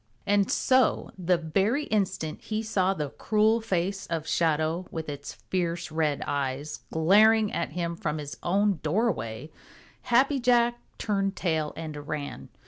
And so the very instant he saw the cruel face of Shadow with its fierce red eyes glaring at him from his own doorway, Happy Jack turned tail and ran.